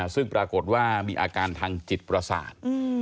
ซึ่งปรากฏว่ามีอาการทางจิตประสาท